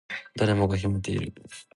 誰もが秘めている